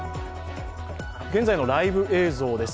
現在のライブ映像です。